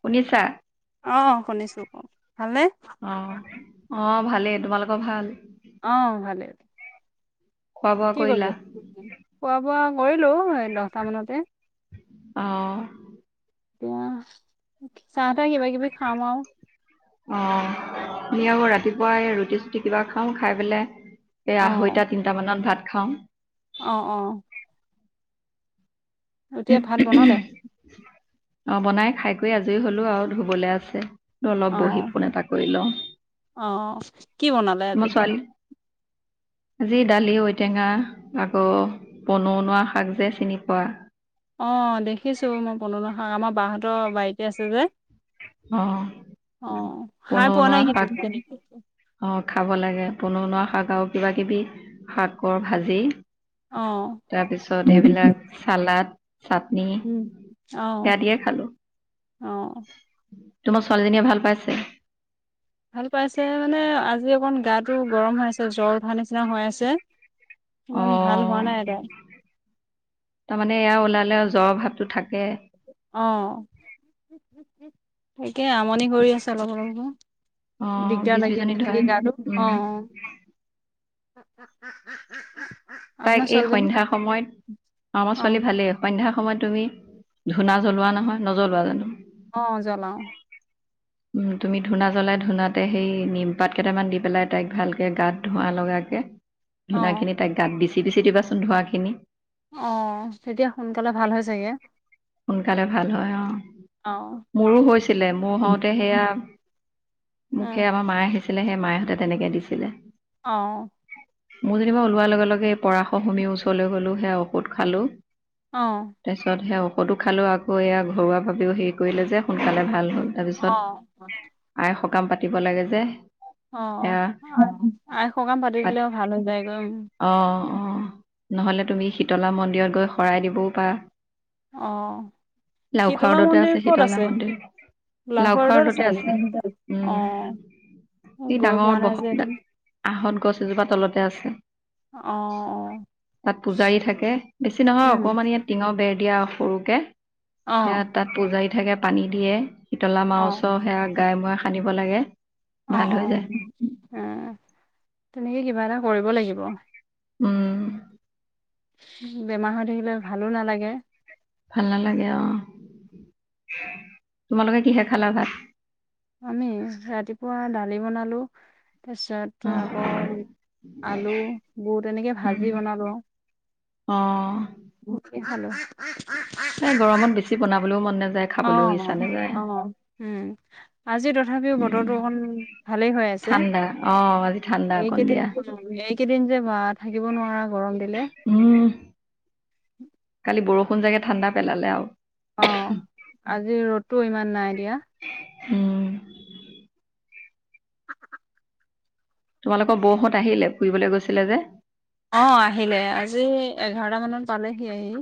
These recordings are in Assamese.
শুনিছা? অ', শুনিছো কওক, ভালনে? অ অ ভালেই, তোমালোকৰ ভাল? অ', ভালে। খোৱা বোৱা কি কৰিলা কৰি আছে? খোৱা বোৱা কৰিলো এই দহটা মানতে। অ, এতিয় চাহ তাহ কিবা কিবি খাম আৰু। অ', আমি আকৌ ৰাতিপুৱাই এই ৰুটি চুটি কিবা খাওঁ, খাই পেলাই এ অ আঢ়ৈটা তিনিটা মানত ভাত খাওঁ। অ, অ', এতিয়া ভাত বনালে? অ, বনাই খাই কৰি আজৰি হলো আৰু ধুবলৈ আছে, অ অলপ বহি ফোন এটা কৰি লওঁ। অ, কি বনালে আজি? মই ছোৱালী আজি দালি, ঔটেঙা, আকৌ বনৌনোৱা শাক যে চিনি পোৱা? অ, দেখিছো মই বনৌনোৱা শাক, আমাৰ বাহঁতৰ বাৰীতে আছে যে। অ, অ খাই পোৱা বনৌনুৱা নাই কিন্তু শাক, তেনেকে অ, খাব লাগে। বনৌণুৱা শাক, আৰু কিবা কিবি শাকৰ ভাজি অ তাৰপিছত এইবিলাক, চালাদ উম, অ, দিয়ে খালো অ, তোমাৰ ছোৱালীজনীয়ে ভাল পাইছে? ভাল পাইছে মানে, আজি অকণ গাটো গৰম হৈ আছে, জ্বৰ উঠাৰ নিচিনা হৈ আছে। অ, ইমান ভাল হোৱা নাই তাই তাৰমানে এয়া ওলালে জ্বৰৰ ভাৱতটো থাকে। অ, সিকেই আমনি কৰি আছে অলপ অলপ অ দিগদাৰ বিজ লাগি বিজনী ধৰাই [unintelligible] গা তো উম অ, [unintelligible] তাইক আপোনাৰ এই ছোৱালীজনী সন্ধ্যা সময়ত, অ, আমাৰ ছোৱালী ভালেই, সন্ধ্যা সময়ত তুমি, ধূনা জ্বলোৱা নহয়, নজ্বলোৱা জানো? অ, জ্বলাওঁ। উ ম তুমি ধূনা জ্বলাই, ধুনাতে সেই নিমপাত কেইটামান দি পেলাই তাইক ভালকে গাত ধোঁৱা লগাকে অ, ধূনাখিনি তাইক গাত বিচি বিচি দিবাচোন ধোঁৱা খিনি। অ, তেতিয়া সোনকালে ভাল হৈ চাগে? সোনকালে ভাল হয় অ, অ', মোৰো হৈছিলে, মোৰ হওঁতে সেইয়া মোক অ', সেই আমাৰ মায়ে আহিছিলে, সেই মায়েহঁতে তেনেকে দিছিলে। অ, মোৰ যেনিবা ওলোৱাৰ লগে লগে, এই পৰাশৰ সুমী ওচৰলৈ গ'লো, সেয়া ঔষধ খালো অ', তাৰপিছত সে ফটো খালেও আকৌ এয়া ঘৰুৱাভাৱেও হেৰি কৰিলে যে সোনকালে ভাল হ'ল। অ', কাম পাতিব লাগে যে অ', সেয়া আই সকাম পাতি দিলেও ভাল হৈ যায় গৈ উম, অ', অ', নহলে তুমি শীতলা মন্দিৰত গৈ শৰাই দিবও পাৰা। অ', লাওখোৱা শীতলা টোতে মন্দিৰ আছে ক'ত শীতলা মন্দিৰ। লাহোৱা লাওখোৱা ৰোডত ৰদতে আছে নেকি? উম, অ', ই গৈ পোৱা ডাঙৰ নাই বহ যে এইটো আহত গছ এজোপা তলতে আছে। অ', অ', তাত পূজাৰী থাকে বেছি নহয় উম, অকমান ইয়াত টিঙৰ বেৰ দিয়া সৰুকে সে অ', তাত পূজাৰী থাকে পানী দিয়ে। শীতলা মাওছো অ'। সেয়া গাই মোয়ে সানিব লাগে ভাল অ', হৈ অ', যায় উ, তেনেকে কিবা এটা কৰিব লাগিব। উম, বেমাৰ হৈ থাকিলে ভালো নালাগে। ভাল নালাগে অ', তোমালোকে কিহে খালা ভাত? আমি ৰাতিপুৱা দালি বনালো। অ তাৰপিছত আকৌ আলু বুত এনেকৈ উম, ভাজি বনালোঁ আৰু। অ', কে খালোঁ এ গৰমত বেছি বনাবলৈও মন নাযায়। অ', খাবলৈও ইচ্ছা নাযায় অ', উম, আজি তথাপিও উম, বতৰটো অকণ ভালেই হৈ আছে। ঠাণ্ডা অ আজি ঠাণ্ডা অকণ এইকেইদিন দিয়া - এইকেইদিন যে বা থাকিব নোৱাৰা গৰম দিলে। উম, কালি বৰষুণ জাগে ঠাণ্ডা পেলালে আৰু। অ', আজি ৰ'দটো ইমান নাই দিয়া। উম, তোমালোকৰ বৌহত আহিলে ফুৰিবলৈ গৈছিলে যে? অ', আহিলে আজি এঘাৰটা মানত পালেহি আহি।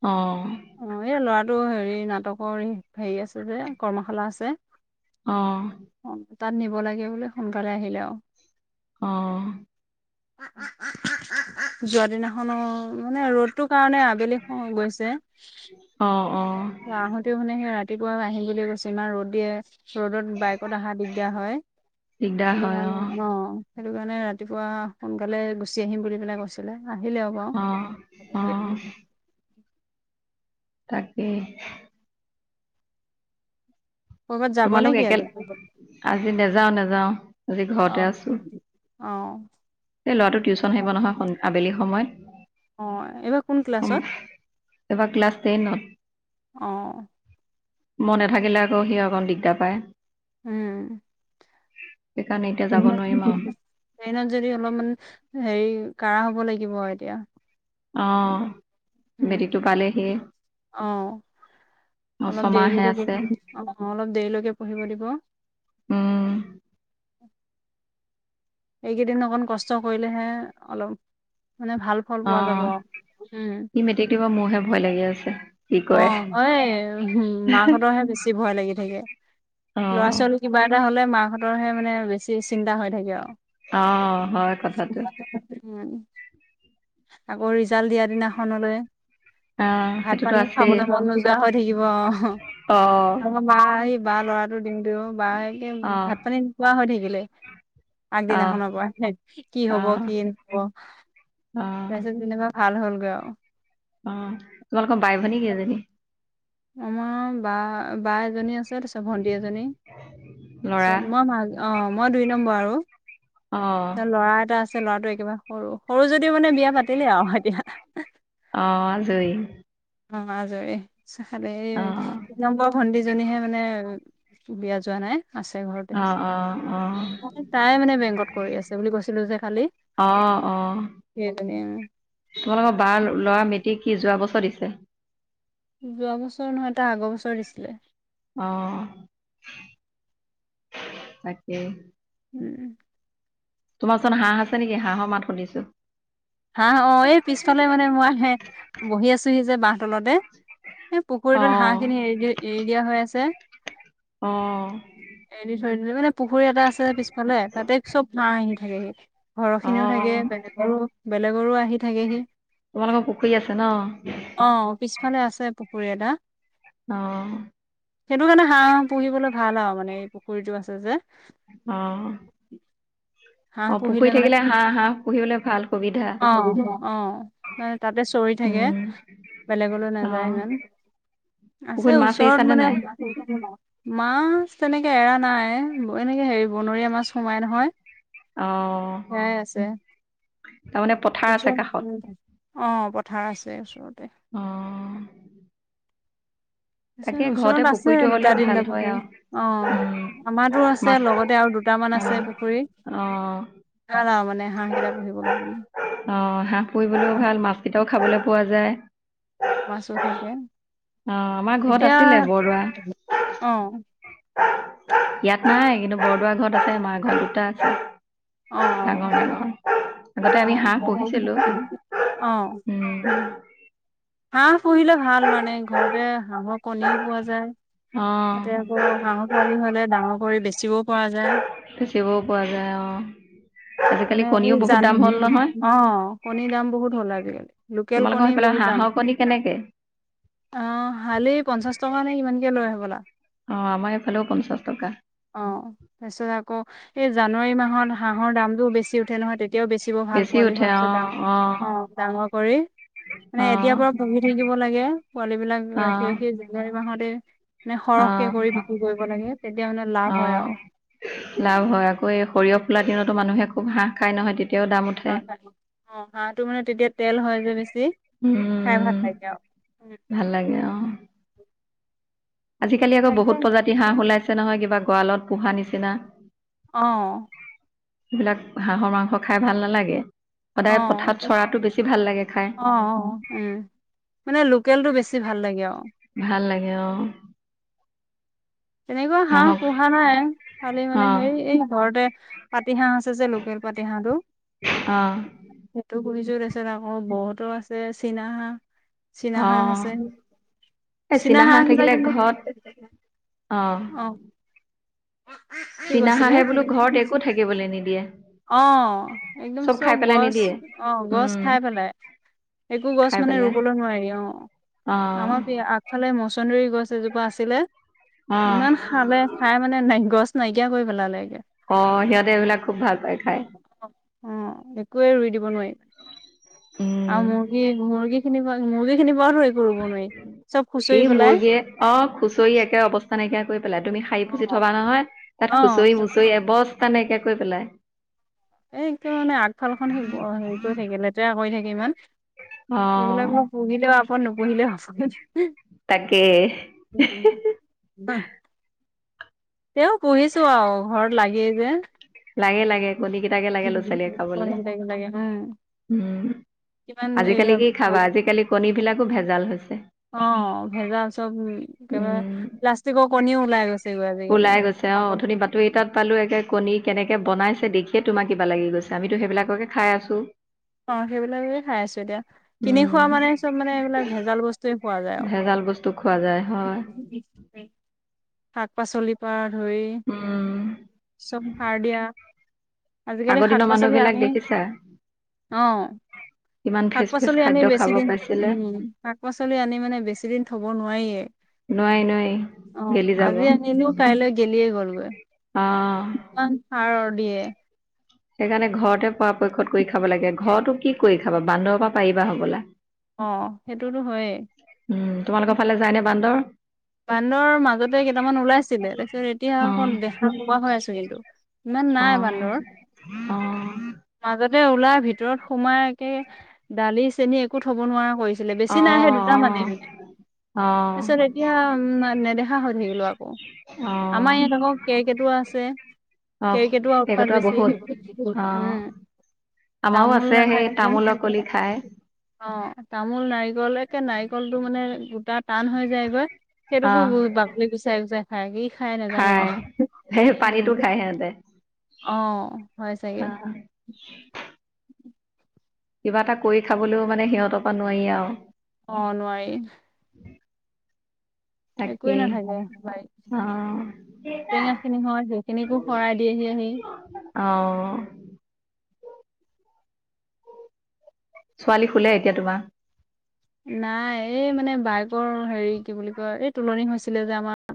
অ', অ', এই ল'ৰাটো হেৰি নাটকৰ হেৰি আছে যে কৰ্মশালা আছে। অ', তাত নিব লাগে বোলে সোনকালে আহিলে আৰু। অ', যোৱা দিনাখনো মানে ৰ'দতো কাৰণে আবেলি গৈছে। অ', অ আহোঁতেও মানে সেই ৰাতিপুৱা আহিম বুলিয়ে কৈছো ইমান ৰ'দ দিয়ে। ৰদত বাইকত আহা দিগদাৰ হয়, দিগদাৰ সেইটো হয় কাৰণে অ', সেইটো কাৰণে ৰাতিপুৱা সোনকালে গুচি আহিম বুলি পেলাই কৈছিলে। আহিলে হব অ অ তাকেই। ক'ৰবাত যাব নে তোমালোক কি একে, আজি? আজি নেযাও নেযাও আজি ঘৰতে অ', আছোঁ। অ', এই ল'ৰাটো টিউশচন আহিব নহয় আবেলি সময়ত। অ', এইবাৰ কোন ক্লাছত? এবাৰ ক্লাছ অ', টেনত। মই নেথাকিলে আকৌ সি অকণ দিগদাৰ পায়। উম, সেইকাৰণে এতিয়া যাব [unintelligible] নোৱাৰিম আৰু ট্ৰেইনত যদি অলপমান হেৰি কাঢ়া হ'ব লাগিব এতিয়া। অ সেইব উম, মেট্ৰিকটো পালেহিয়ে [unintelligible] অ', অ অলপ ছমাহে দেৰিলৈকে আছে অ', অলপ দেৰিলৈকে পঢ়িব দিব। উম, এইকেইদিন অকণ কষ্ট কৰিলেহে অলপ মানে ভাল ফল অ পোৱা যাব, উম। সি মেট্ৰিক দিব মোৰহে ভয় লাগি আছে কি কয় অ', হয়েই মাকহঁতৰ হে বেছি ভয় লাগি থাকে। অ ল'ৰা ছোৱালী কিবা এটা হলে, মাকাহঁতৰহে মানে বেছি চিন্তা হৈ থাকে আৰু। অ', হয় কথাটো। উম আকৌ ৰিজাল্ট দিয়া দিনাখনলৈ। অ ভাত সেইটোতো পানী আছেই খাবলৈ মন নোযোৱা হৈ থাকিব, অ', অ আমাৰ মা এই বা লৰাটো দিওঁ তেও বা একে অ ভাত অ পানী নোখোৱা হৈ থাকিলে। অ আগদিনাখনৰ পৰা কি হব, কি নহব অ তাৰপিছত যেনিবা ভাল হ'ল। হ'লগে আৰু অ', তোমালোকৰ বাই-ভনী কেইজনী? আমাৰ বা-বা এজনী আছে। তাৰপিছত ভণ্টি এজনী, ল'ৰা তাৰপিছত মই মা অ', মই দুই নম্বৰ আৰু। অ', তাৰপিছত ল'ৰা এটা আছে, ল'ৰাটো একেবাৰে সৰু, সৰু যদিও মানে বিয়া পাতিলে আৰু এতিয়া। অ', আজৰি। অ', আজৰি খালী অ', তিনি নম্বৰ ভণ্টিজনীহে মানে বিয়া যোৱা নাই। আছে ঘৰতে, অ', অ', তাইয়ে মানে বেংকত কৰি আছে বুলি কৈছিলো যে কালি। অ', অ'। সেইজনী উম, তোমালোকৰ বাৰ ল'ৰা মেট্ৰিক কি যোৱা বছৰ দিছে? যোৱা বছৰ নহয়, তাৰ আগৰ বছৰ দিছিলে। অ', তাকেই। উম, তোমাৰ ওচৰত হাঁহ আছে নেকি? হাঁহৰ মাত শুনিছো। হাঁহ অ', এই পিছফালে মানে মই আহি বহি আছোহি যে বাঁহ তলতে। এ, পুখুৰীটোত হাঁহ অ', খিনি এৰিদি-এৰিদিয়া হৈ আছে। অ', এৰি থৈ দিলো, মানে পুখুৰী এটা আছে পিছফালে তাতে চব হাঁহ আহি থাকেহি। ঘৰৰ খিনিও থাকে, অ', বেলেগৰো-বেলেগৰো আহি থাকেহি তোমালোকৰ পুখুৰী আছে ন? অ', পিছফালে আছে পু ফূৰে না, অ', সেইটো কাৰণে হাঁহ পুহিবলৈ ভাল আৰু। মানে, এই পুখুৰীটো আছে যে। অ'। হাঁহ অ', পুহিলে পুখুৰী মানে, থাকিলে হাঁহ, হাঁহ পুহিবলৈ ভাল সুবিধা। অ', অ', মানে তাতে চ চৰি থাকে, উম, বেলেগলৈ নাযায় অ', ইমান। আছে পুখুৰীত মাছ ওচৰত এৰিছানে মানে নাই? [unintelligible] মাছ তেনেকে এৰা নাই, এনেকে হেৰি বনৰীয়া মাছ সোমাই নহয়। অ', সেয়াই আছে তাৰমানে পথাৰ আছে কাষত। [unintelligible] অ', পথাৰ আছে ওচৰত। অ', তাকে তাৰপিছত ঘৰতে ওচৰত আছে, পুখুৰীটো হ'লে ভাল দুটা-তিনিটা হয় পুখুৰী আৰু। উম, অ'। আমাতোৰ আছে, মাছ লগতে আৰু দুটামান উম, আছে পুখুৰী, অ', ভাল আৰু মানে। হাঁহ কেইটা পুহিবলৈ আমি অ', হাঁহ পুহিবলৈও ভাল মাছকেইটাও খাবলৈ পোৱা যায়। মাছো থাকে। অ', আমাৰ ঘৰত এতিয়া আছিলে বৰদোৱা। অ' ইয়াত নাই, কিন্তু বৰদোৱা ঘৰত আছে মাৰ ঘৰত দুটা আছে। অ' ডাঙৰ ডাঙৰ। আগতে অ' আমি হাঁহ অ' পুহিছিলো। অ' উম। হাঁহ পুহিলে ভাল মানে ঘৰতে হাঁহৰ কণীও পোৱা যায়। অ', তাতে আকৌ হাঁহৰ পোৱালি হোৱালে ডাঙৰ কৰি বেচিবও পৰা যায়। চিবও পোৱা যা মানে বহুত দাম জানী হ'ল নহয়। [inaudible] অ' কণীৰ দাম বহুত হ'ল আজিকালি, লোকেল তোমালোকৰ কণীৰ সেইফালে বহুত দাম। হাঁহৰ কণী কেনেকে? অ', হালি পঞ্চাশ টকা নে কিমানকে লয় হ'বলা। অ', আমাৰ এইফালেও পঞ্চাশ টকা তাৰপিছত আকৌ সেই জানুৱাৰী মাহত হাঁহৰ দামতোও বেছি উঠে নহয় তেত্ তিয়াও বেচিব ভাল বেছি পোৱালি উঠে হোৱাৰ পিছত ডাঙৰ অ', অ' ডাঙৰ কৰি মানে এতিয়াৰ অ', পৰা পুহি থাকিব লাগে, পোৱালীবিলাক ৰাখি-ৰাখি জানুৱাৰী মাহতে মানে অ', সৰহকে কৰি বিক্ৰী কৰিব লাগে, তেতিয়া মানে অ', লাভ হয় অ', আৰু। লাভ হয় আকৌ এই সৰিয়হ ফুলাৰ দিনতো মানুহে খুব হাঁহ খাই নহয় তেত্ হাঁহ খায়। অ' হাঁহটো মানে তেতিয়া তেল হয় যে বেছি। খাই ভাল উম লাগে অ'। ভাল লাগে অ'। আজিকালি আকৌ তাকে বহুত প্ৰজাতি হাঁহ ওলাইছে নহয় কিবা গড়ালত পোহা নিচিনা। অ'। সেইবিলাক হাঁহৰ মাংস খাই ভাল নালাগে, অ সদায় পথাৰত চৰাতো বেছি ভাল লাগে। খাই অ', অ', উম, মানে লোকেলটো বেছি ভাল লাগে আৰু। [unintelligible] তেনেকুৱা হাঁহ হাঁহক পোহা নাই। খালি অ মানে হে এই ঘৰতে পতিহা আছে যে লোকেল পাতিহাহটো অ সেইটো পুহিছো তাৰ পিছত আকৌ বৌহঁতৰো আছে চীনা হাঁহ। চীনা অ হাহঁ আছে। এই চীনা হাঁহ হাহঁ থাকিলে ঘৰত অ'। কি চীনা কৈছিলে হাঁহে বোলো ঘৰত একো থাকিবলৈ নিদিয়ে। অ', একদম খাই চব পেলাই গছ নিদিয়ে অ' গছ উম খাই পেলাই। একো গছ খাই মানে পেলাই ৰুবলৈ নোৱাৰি। অ' অ আমাৰ আগফালে মছন্দৰী গছ জোপা আছিলে অ ইমান খালে। খাই মানে নাই গছ নাইকিয়া কৰি পেলালেগে। অ', সিহঁতে এইবিলাক খুব ভাল পায় খাই। অ', একোৱে ৰুই দিব নোৱাৰি। মানে আৰু মুৰ্গী-মুৰ্গী চি পোৱা মুৰ্গী খিনি বাৰ হৈ কৰিব নোৱাৰি। চব খুচৰি ই পেলাই মুৰ্গীয়ে অ' খুচৰি একে অৱস্থা নাইকিয়া কৰি পেলাই। তুমি শাৰী অ পুচি থবা নহয় তাত খুচৰি মুুচৰি এবস্তা নাইকা কৈ পেলাই। এই মানে আগফালখন সেই কৰি থাকে লেতেৰা কৰি থাকে ইমান। অ এইবিলাক মোৰ পুঢ়িলেও আপদ নুপুঢ়িলেও আপদ। [inaudible] তেওঁ পুহিছো আৰু ঘৰত লাগেই যে। লাগে লাগে কণী কেইটাকে লাগে ল'ৰা ছোৱালীয়ে খাবলৈ। লাগে উম উম। কিমান আজিকালি এইয়া কি খাবা আজিকালি কণীবিলাকো ভেজাল। হৈছে অ', ভেজাল চব একেবাৰে প্লাষ্টিকৰ কণীও ওলাই গৈছে। ওলাই গৈছে। অ', উঠনি বাতৰি এটাত পালো একে কণী কেনেকে বনাই দেখিয়ে তোমাৰ কিবা লাগি গৈছে। আমিতো সেইবিলাককে খাই আছো। অ', সেইবিলাক খাই আছো। এতিয়া কিনি খোৱা মানে চব মানে এইবিলাক ভেজাল বস্তুৱে খোৱা যায় আৰু। ভাল বস্তু খোৱা যায় হয় [inaudible] শাক পাচলিৰ পৰা ধৰি উম চব সাৰ দিয়া। আজিকালি আগৰ শাক দিনৰ মানুহ পাচলি বিলাক আনি, দেখিছা অ'। কিমান শাক ফ্ৰেচ ফ্ৰেচ পাচলি আনি খাদ্য খাব বেছি দিন, পাইছিলে উম, শাক পাচলি আনি মানে বেছি দিন থ'ব নোৱাৰিয়ে। নোৱাৰি নোৱাৰি অ' গেলি যাব আজি অ আনিলো কাইলৈ গেলিয়ে গ'লগৈ। কিমান সাৰৰ দিয়ে। সেইকাৰণে ঘৰতে পৰাপক্ষত কৰি খাব লাগে। ঘৰতো কি কৰি খাবা বান্দৰ পৰা পাৰিবা হবলা। অ' হেইটোতো হয়েই। উম তোমালোকৰ ফালে যায়নে বান্দৰ? বান্দৰ মাজতে কেইটামান ওলাইছিলে তাৰপিছত এতিয়া অ আক' দেখা নোহোৱা হৈ আছোঁ কিন্তু। ইমান অ নাই বান্দৰ। অ মাজত তে ওলাই ভিতৰত সোমাই একে দালি চেনি একো থ'ব নোৱাৰা কৰিছে। বেছি অ নাই হেই দুটা মানে, তাৰপিছত অ এতিয়া উ, নেদেখা হৈছোঁ। ধৰি লোৱা আকৌ। অ আমাৰ ইয়াত অ আকৌ কেৰ্কেটুৱা আছে। অ কেৰ্কেটুৱাৰ উৎপাত কেইকটৰা বহুত অ বেছি। উম। আমাৰো তামোল আছে সেই নাথাকে। তামোলৰ কলি খায় অ' তামোল, নাৰিকল একে নাৰিকলটো মানে গোটা টান হৈ যায়গৈ। অ সেইটোবো বাকলি গুচাই গুচাই খাই। খাই নাজানো খায় আৰু, সেই উম। পানীটো খায় সিহঁতে অ' হয় চাগে। অ কিবা এটা কৰি খাবলৈও মানে সিহঁতৰ পৰা নোৱাৰি আৰু। অ নোৱাৰি একোৱে তাকেই। নাথাকে বাৰীত অ'। টেঙা খিনি হয় সেইখিনিকো শৰাই দিয়েহি আহি অ'। ছোৱালী শুলে এতিয়া তোমাৰ? নাই এই মানে বায়েকৰ হেৰি কি বুলি কয় এই তোলনি হৈছিলে যে আমাৰ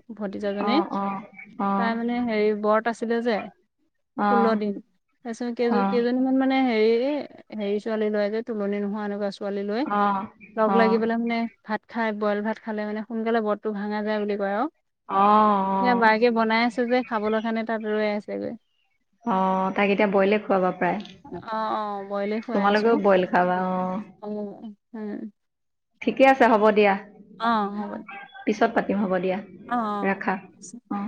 অ ভতিজাজনী অ অ তাই মানে হেৰি বত আছিলে যে অ ষোল্ল দিন তাৰপিছত অ অ কেই কেইজনীমান মানে হেৰি এ, হেৰি ছোৱালীলৈ যে তোলনি নোহোৱা এনেকুৱা ছোৱালী লৈ লগ অ লাগি পেলাই মানে ভাত খাই বইল ভাত খালে মানে সোনকালে বৰটো ভাঙা যায় বুলি কয় আৰু। অ অ সেয়া বায়েকে বনাই আছে যে খাবলৈ কাৰণে তাত ৰৈ আছেগৈ। অ' তাক এতিয়া বইলে খুৱাবা প্ৰায়। অ', অ' বইলে খুৱাই আছো। তোমালোকেও বইল খাবা অ উম, উম। ঠিকে আছে হ'ব দিয়া। অ' হ'ব দে। ই হ'ব দিয়া, অ ৰাখা অ অ'।